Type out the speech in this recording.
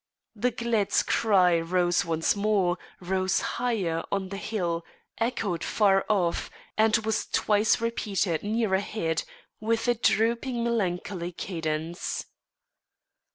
The gled's cry rose once more, rose higher on the hill, echoed far off, and was twice repeated nearer head with a drooping melancholy cadence.